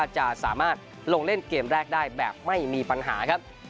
จะสามารถลงเล่นเกมแรกได้แบบไม่มีปัญหาครับ